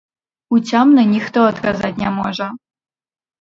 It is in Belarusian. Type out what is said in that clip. Уцямна ніхто адказаць не можа.